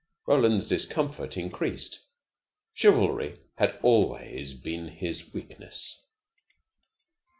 Roland's discomfort increased. Chivalry had always been his weakness.